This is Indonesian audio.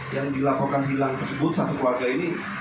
yang dilakukan hilang tersebut satu keluarga ini